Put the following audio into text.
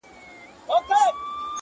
دا لومي د شیطان دي، وسوسې دي چي راځي،